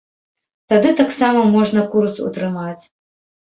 Тады таксама можна курс утрымаць.